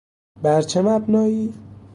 بر چه مبنایی؟